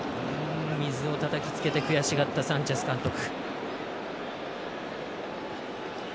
水をたたきつけて悔しがったサンチェス監督。